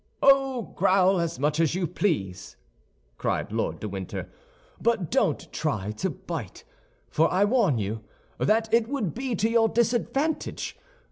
"Oh, growl as much as you please," cried Lord de Winter, "but don't try to bite, for I warn you that it would be to your disadvantage.